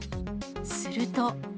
すると。